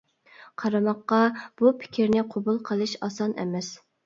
قارىماققا، بۇ پىكىرنى قوبۇل قىلىش ئاسان ئەمەس.